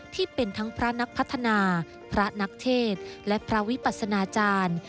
ที่เป็นทั้งพระนักพัฒนาพระนักเทศและพระวิปัสนาจารย์